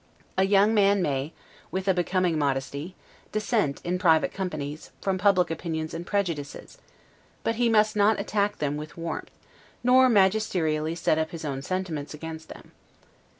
A young man may, with a becoming modesty, dissent, in private companies, from public opinions and prejudices: but he must not attack them with warmth, nor magisterially set up his own sentiments against them.